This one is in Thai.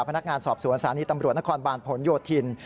พนักงานสอบสวนศาลีตำรวจนครบาลผลโยธิน